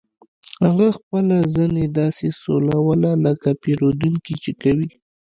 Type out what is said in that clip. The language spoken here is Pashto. هغه خپله زنې داسې سولوله لکه پیرودونکي چې کوي